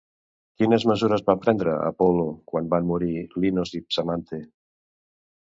Quines mesures va prendre Apol·lo quan van morir Linos i Psàmate?